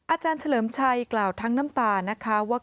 อาจารย์เฉลิมชัยกล่าวทั้งน้ำตานะคะว่า